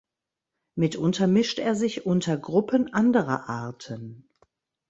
Mitunter mischt er sich unter Gruppen anderer Arten.